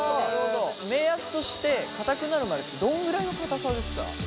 目安としてかたくなるまでってどのぐらいのかたさですか？